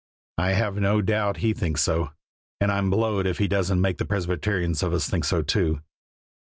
"I have no doubt he thinks so; and I'm blowed if he doesn't make the Presbyterians of us think so too."